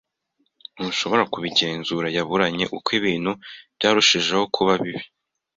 ntushobora kubigenzura yaburanye uko ibintu byarushijeho kuba bibi.